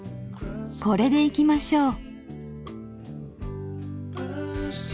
これでいきましょう。